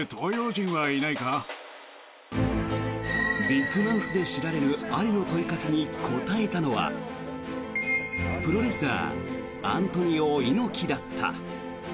ビッグマウスで知られるアリの問いかけに答えたのはプロレスラーアントニオ猪木だった。